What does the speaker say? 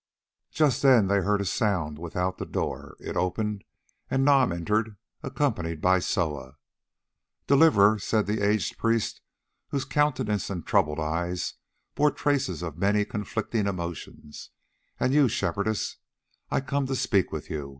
Just then they heard a sound without the door; it opened, and Nam entered accompanied by Soa. "Deliverer," said the aged priest, whose countenance and troubled eyes bore traces of many conflicting emotions, "and you, Shepherdess, I come to speak with you.